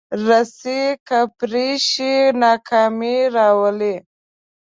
رسۍ که پرې شي، ناکامي راولي.